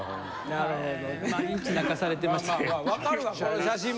なるほど。